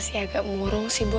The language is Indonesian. masih agak murung sih boy